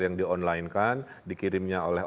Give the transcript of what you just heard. yang di online kan dikirimnya oleh